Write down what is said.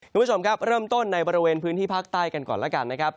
คุณผู้ชมครับเริ่มต้นในบริเวณพื้นที่ภาคใต้กันก่อนแล้วกันนะครับ